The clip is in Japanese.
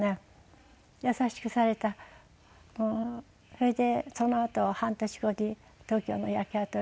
それでそのあと半年後に東京の焼け跡へ戻りました。